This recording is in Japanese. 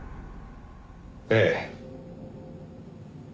ええ。